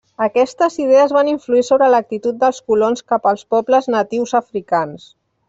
Aquestes idees van influir sobre l'actitud dels colons cap als pobles natius africans.